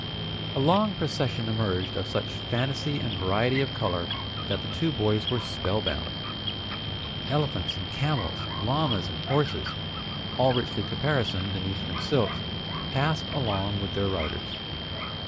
A long procession emerged of such fantasy and variety of color that the two boys were spellbound. Elephants and camels, llamas and horses, all richly caparisoned in Eastern silks, passed along with their riders.